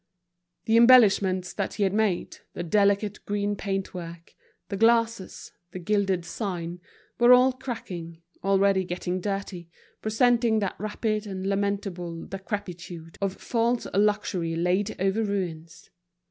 The embellishments that he had made, the delicate green paint work, the glasses, the gilded sign, were all cracking, already getting dirty, presenting that rapid and lamentable decrepitude of false luxury laid over ruins.